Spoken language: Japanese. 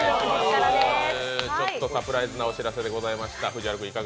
ちょっとサプライズなお知らせでございました。